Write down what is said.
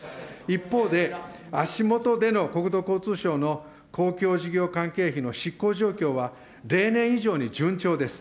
一方で、足下での国土交通省の公共事業関係費の執行状況は、例年以上に順調です。